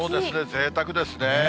ぜいたくですね。